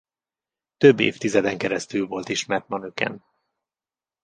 Több évtizeden keresztül volt ismert manöken.